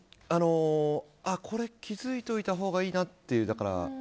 これ気づいておいたほうがいいなっていう。